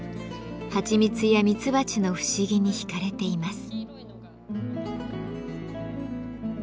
はちみつやミツバチの不思議に引かれています。